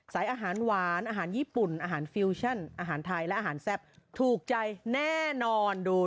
อาหารหวานอาหารญี่ปุ่นอาหารฟิวชั่นอาหารไทยและอาหารแซ่บถูกใจแน่นอนดู